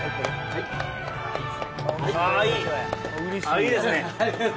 あっいいですね